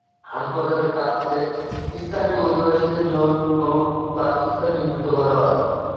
হাসপাতালের কাছে স্থানীয় অধিবাসীদের জন্য বাসস্থান নির্মাণ করা হয়।